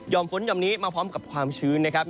ฝนยอมนี้มาพร้อมกับความชื้นนะครับ